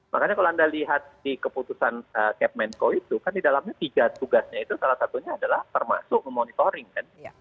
makanya kalau anda lihat di keputusan kepmenko itu kan di dalamnya tiga tugasnya itu salah satunya adalah termasuk memonitoring kan